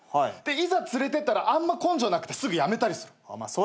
いざ連れてったら根性なくてすぐ辞めたりする。